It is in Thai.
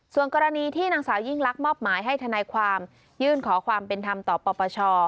ส่วนกรณีที่นางสาวยิ่งลักษณ์มอบหมายให้ทนายความยื่นขอความเป็นธรรมต่อปปช